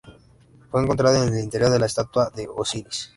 Fue encontrado en el interior de una estatua de Osiris.